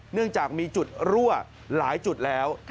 เนื่องจากมีจุดรั่วหลายจุดแล้ว